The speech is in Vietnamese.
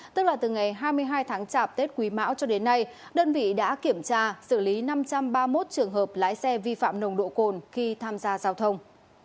tức là từ ngày hai mươi hai tháng chạp tết quý mão cho đến nay đơn vị đã kiểm tra xử lý năm trăm ba mươi một trường hợp lái xe vi phạm nồng độ cồn khi tham gia giao thông